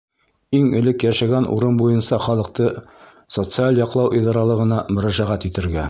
Иң элек йәшәгән урын буйынса халыҡты социаль яҡлау идаралығына мөрәжәғәт итергә.